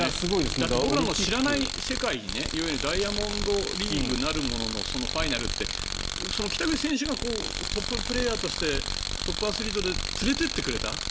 だって僕らの知らない世界いわゆるダイヤモンドリーグなるもののそのファイナルって北口選手がトッププレーヤーとしてトップアスリートで連れていってくれた。